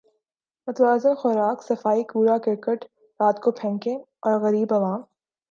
متوازن خوراک صفائی کوڑا کرکٹ رات کو پھینکیں اور غریب عوام